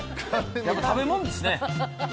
やっぱ食べ物ですね。